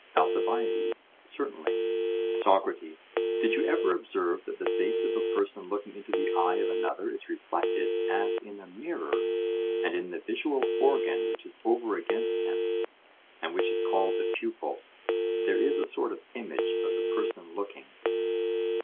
ALCIBIADES: Certainly. SOCRATES: Did you ever observe that the face of the person looking into the eye of another is reflected as in a mirror; and in the visual organ which is over against him, and which is called the pupil, there is a sort of image of the person looking?